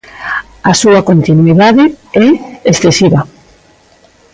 A súa continuidade é excesiva.